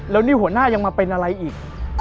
แล้วนี่หัวหน้ายังมาเป็นอะไรอีก